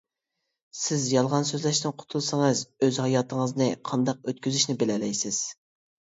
سىز يالغان سۆزلەشتىن قۇتۇلسىڭىز، ئۆز ھاياتىڭىزنى قانداق ئۆتكۈزۈشنى بىلەلەيسىز.